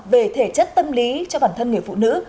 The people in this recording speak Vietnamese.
về thể chất tâm lý cho bản thân người phụ nữ